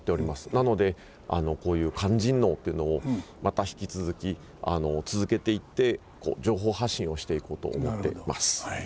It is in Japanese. なのでこういう勧進能っていうのをまた引き続き続けていって情報発信をしていこうと思っています。